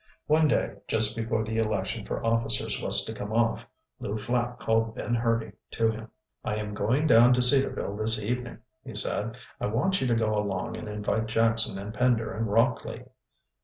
One day, just before the election for officers was to come off, Lew Flapp called Ben Hurdy to him. "I am going down to Cedarville this evening," he said. "I want you to go along and invite Jackson and Pender and Rockley."